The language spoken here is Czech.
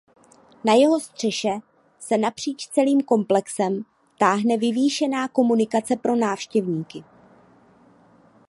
Na jeho střeše se napříč celým komplexem táhne vyvýšená komunikace pro návštěvníky.